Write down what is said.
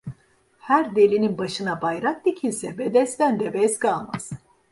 Her delinin başına bayrak dikilse bedestende bez kalmaz.